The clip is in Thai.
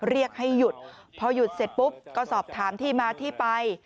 เรียกให้หยุดพอหยุดเสร็จปุ๊บก็สอบถามที่มาที่ไป